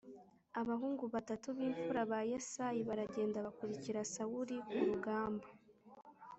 Abahungu batatu b imfura ba Yesayi baragenda bakurikira Sawuli ku rugamba